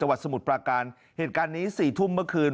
วัดสมุทรปราการเหตุการณ์นี้สี่ทุ่มเมื่อคืน